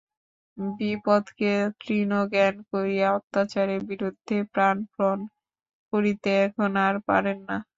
বিপদকে তৃণজ্ঞান করিয়া অত্যাচারের বিরুদ্ধে প্রাণপণ করিতে এখন আর পারেন না।